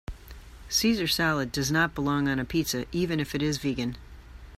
Caesar salad does not belong on a pizza even if it is vegan.